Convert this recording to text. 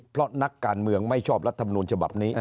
เพราะนักการเมืองไม่ชอบรัฐมนูลฉบับนี้